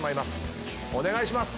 お願いします！